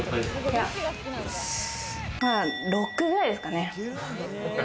いや、まだ６ぐらいですかね。